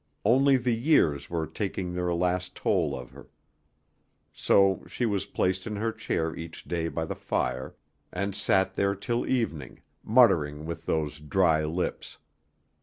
Only the years were taking their last toll of her. So she was placed in her chair each day by the fire, and sat there till evening, muttering with those dry lips.